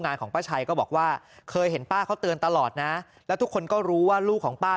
ของป้าชัยก็บอกว่าเคยเห็นป้าเขาเตือนตลอดนะแล้วทุกคนก็รู้ว่าลูกของป้า